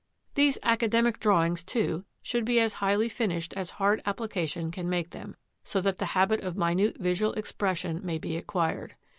] These academic drawings, too, should be as highly finished as hard application can make them, so that the habit of minute visual expression may be acquired.